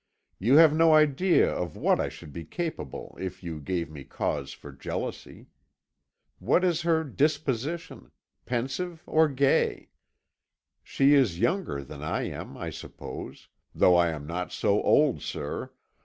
You have no idea of what I should be capable if you gave me cause for jealousy. What is her disposition pensive or gay? She is younger than I am, I suppose though I am not so old, sir!